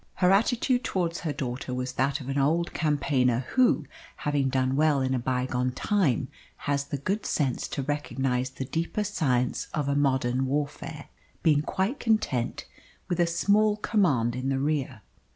Her attitude towards her daughter was that of an old campaigner who, having done well in a bygone time, has the good sense to recognise the deeper science of a modern warfare, being quite content with a small command in the rear.